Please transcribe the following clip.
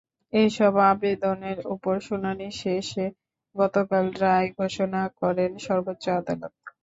এসব আবেদনের ওপর শুনানি শেষে গতকাল রায় ঘোষণা করেন সর্বোচ্চ আদালত।